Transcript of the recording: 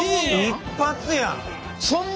一発やん！